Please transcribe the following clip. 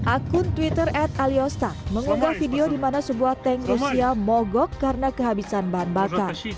akun twitter at aliosta mengunggah video di mana sebuah tank rusia mogok karena kehabisan bahan bakar